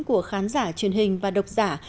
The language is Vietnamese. của khán giả truyền hình và độc giả